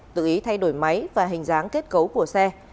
tự ý thay đổi máy và hình dáng kết cấu của xe